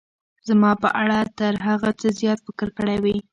زما په اړه تر هغه څه زیات فکر کړی وي.